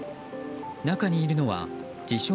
中にいるのは自称